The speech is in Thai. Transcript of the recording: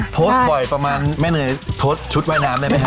โพสต์บ่อยประมาณแม่เหนื่อยโพสต์ชุดว่ายน้ำได้ไหมฮ